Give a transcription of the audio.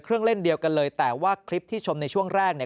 เล่นเดียวกันเลยแต่ว่าคลิปที่ชมในช่วงแรกเนี่ย